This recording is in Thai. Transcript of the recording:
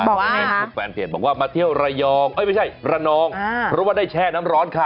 ในเฟซบุ๊คแฟนเพจบอกว่ามาเที่ยวระยองเอ้ยไม่ใช่ระนองเพราะว่าได้แช่น้ำร้อนค่ะ